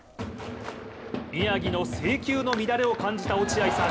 宮城の制球の乱れを感じた落合さん。